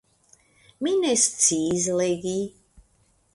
Mi ne sciis legi.